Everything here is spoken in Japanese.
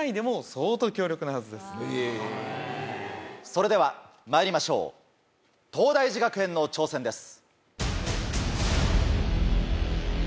それではまいりましょう東大寺学園の挑戦です。